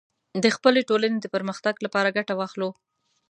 د خپلې ټولنې د پرمختګ لپاره ګټه واخلو